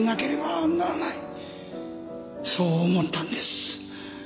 そう思ったんです。